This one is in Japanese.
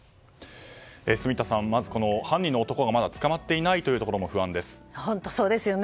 住田さん、まずこの犯人の男がまだ捕まっていないという本当そうですよね。